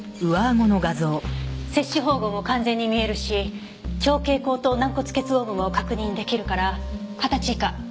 切歯縫合も完全に見えるし蝶形後頭軟骨結合部も確認出来るから二十歳以下。